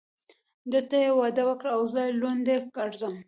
ده ته يې واده وکړ او زه لونډه ګرځم.